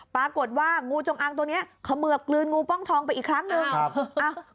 ปรากฏว่างูจงอางตัวเนี้ยเขมือบกลืนงูป้องทองไปอีกครั้งหนึ่งครับอ้าว